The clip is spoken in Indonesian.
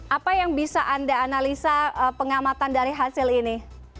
apa yang bisa anda analisa pengamatan dari hasil ini